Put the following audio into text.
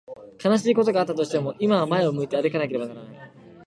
悲しいことがあったとしても、今は前を向いて歩かなければならない。